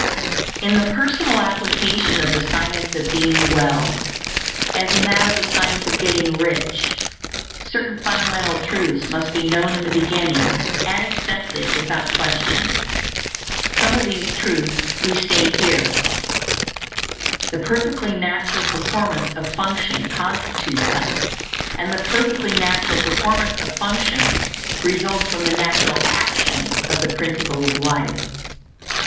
In the personal application of the Science of Being Well, as in that of the Science of Getting Rich, certain fundamental truths must be known in the beginning, and accepted without question. Some of these truths we state here: The perfectly natural performance of function constitutes health; and the perfectly natural performance of function results from the natural action of the Principle of Life.